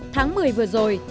tháng một mươi vừa rồi